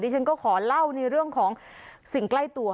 ฉันก็ขอเล่าในเรื่องของสิ่งใกล้ตัว